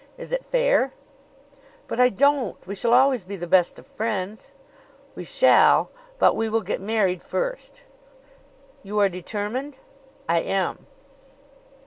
Is it fair?" "But I don't. We shall always be the best of friends." "We shall but we will get married first." "You are determined?" "I am!"